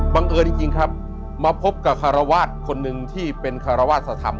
เอิญจริงครับมาพบกับคารวาสคนหนึ่งที่เป็นคารวาสธรรม